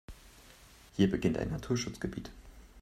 Hier beginnt ein Naturschutzgebiet.